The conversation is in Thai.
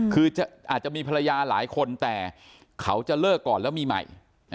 คืออาจจะมีภรรยาหลายคนแต่เขาจะเลิกก่อนแล้วมีใหม่